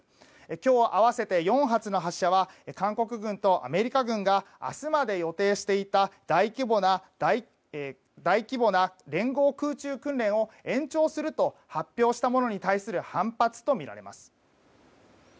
今日、合わせて４発の発射は韓国軍とアメリカ軍が明日まで予定していた大規模な連合空中訓練を延長すると発表したものに対する反発とみられます。